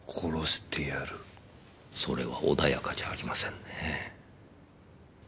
それは穏やかじゃありませんね。